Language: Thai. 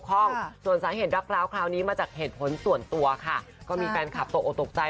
คราวนี้มาจากเหตุผลส่วนตัวค่ะก็มีแฟนคลับตกตกใจ